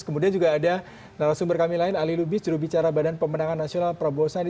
kemudian juga ada narasumber kami lain ali lubis jurubicara badan pemenangan nasional prabowo sandi